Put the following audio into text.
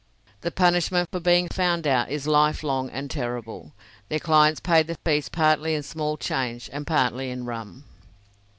The punishment for being found out is life long and terrible. Their clients paid the fees partly in small change and partly in rum.